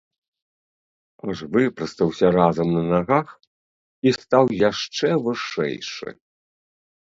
Аж выпрастаўся разам на нагах і стаў яшчэ вышэйшы.